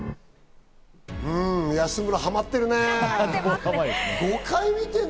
安村ハマってるね。